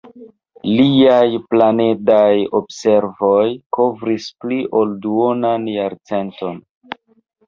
Liaj planedaj observoj kovris pli ol duonan jarcenton.